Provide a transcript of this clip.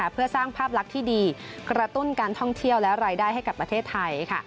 เพื่อสร้างภาพลักษณ์ที่ดีกระตุ้นการท่องเที่ยวและรายได้ให้กับประเทศไทย